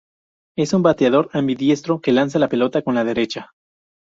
Es un bateador ambidiestro que lanza la pelota con la derecha.